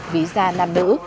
ví da năn nữ